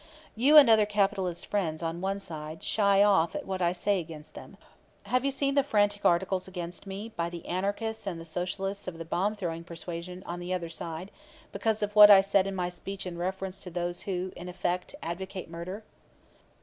"You and other capitalist friends, on one side, shy off at what I say against them. Have you seen the frantic articles against me by [the anarchists and] the Socialists of the bomb throwing persuasion, on the other side, because of what I said in my speech in reference to those who, in effect, advocate murder?"